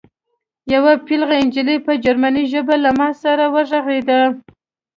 یوه پېغله نجلۍ په جرمني ژبه له ما سره وغږېده